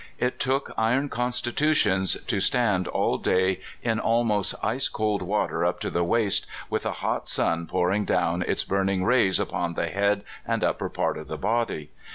It took iron constitu tions to stand all day in almost ice cold water up to the waist w^ith a hot sun pouring down its burn ing rays upon the head and upper part of the body.